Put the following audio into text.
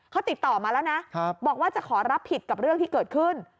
เขาติดต่อมาแล้วนะบอกว่าจะขอรับผิดกับเรื่องที่เกิดขึ้น